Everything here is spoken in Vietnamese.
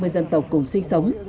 ba mươi dân tộc cùng sinh sống